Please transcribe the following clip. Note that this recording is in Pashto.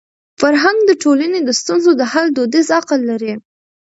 فرهنګ د ټولني د ستونزو د حل دودیز عقل لري.